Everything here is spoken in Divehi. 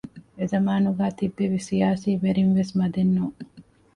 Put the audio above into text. އެޒަމާނުގައި ތިއްބެވި ސިޔާސީ ވެރިންވެސް މަދެއް ނޫން